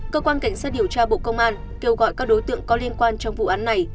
cơ quan cảnh sát điều tra bộ công an kêu gọi các đối tượng có liên quan trong vụ án này